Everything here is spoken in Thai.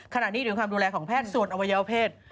ขณะนี้อยู่ในความดูแลของแพทย์ส่วนอวัยวเพศ